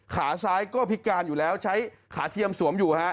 ขาซ้ายก็พิการอยู่แล้วใช้ขาเทียมสวมอยู่ฮะ